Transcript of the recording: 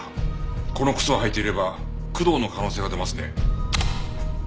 この靴を履いていれば工藤の可能性が出ますね。